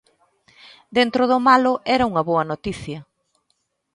Dentro do malo, era unha boa noticia;